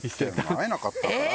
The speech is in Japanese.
会えなかったから。